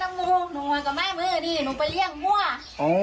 หนูหนีบ้านมาเล่นน้ำมู